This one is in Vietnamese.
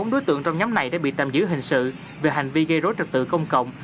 bốn đối tượng trong nhóm này đã bị tạm giữ hình sự về hành vi gây rối trật tự công cộng